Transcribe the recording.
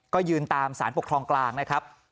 ก็ยืนตามสารปกครองกลางนะครับ